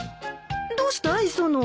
どうした磯野。